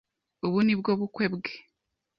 Ubu nibwo bukwe bwe